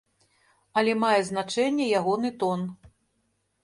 Але мае значэнне ягоны тон.